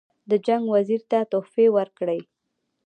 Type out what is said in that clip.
د جنګ وزیر ته تحفې ورکړي.